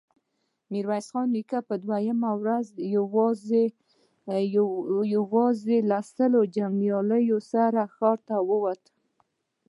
ميرويس نيکه په دوهمه ورځ يواځې له سلو جنګياليو سره له ښاره ووت.